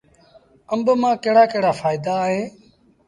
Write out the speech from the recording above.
آݩب مآݩ ڪهڙآ ڪهڙآ ڦآئيدآ اوهيݩ